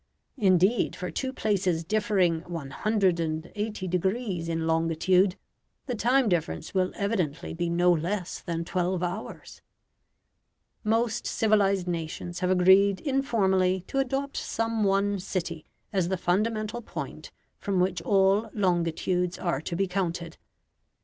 Indeed, for two places differing 180 degrees in longitude, the time difference will evidently be no less than twelve hours. Most civilized nations have agreed informally to adopt some one city as the fundamental point from which all longitudes are to be counted.